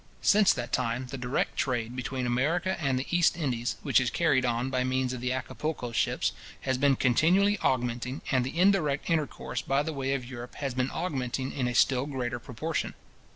Since that time, the direct trade between America and the East Indies, which is carried on by means of the Acapulco ships, has been continually augmenting, and the indirect intercourse by the way of Europe has been augmenting in a still greater proportion.